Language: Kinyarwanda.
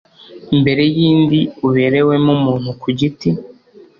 mbere y’indi uberewemo umuntu ku giti